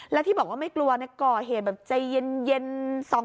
แล้วที่บอกว่าไม่กลัวก่อเหตุแบบใจเย็น